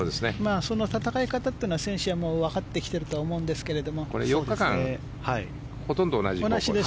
その戦い方というのは選手はわかってきているとは思うんですけど。